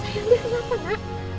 sayang dia kenapa ma